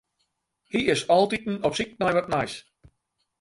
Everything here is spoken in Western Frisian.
Hy is altyd op syk nei wat nijs.